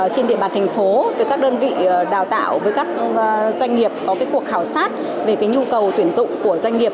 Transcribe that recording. trên địa bàn thành phố với các đơn vị đào tạo với các doanh nghiệp có cuộc khảo sát về nhu cầu tuyển dụng của doanh nghiệp